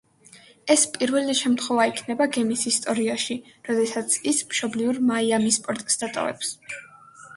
ეს პირველი შემთხვევა იქნება გემის ისტორიაში, როდესაც ის მშობლიურ მაიამის პორტს დატოვებს.